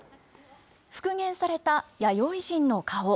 復元された弥生人の顔。